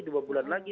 dua bulan lagi